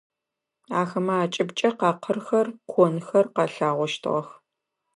Ахэмэ акӏыбкӏэ къакъырхэр, конхэр къэлъагъощтыгъэх.